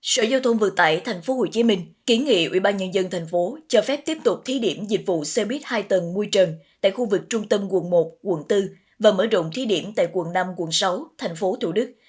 sở giao thông vận tải tp hcm kiến nghị ubnd tp hcm cho phép tiếp tục thí điểm dịch vụ xe buýt hai tầng mui trần tại khu vực trung tâm quận một quận bốn và mở rộng thí điểm tại quận năm quận sáu tp thủ đức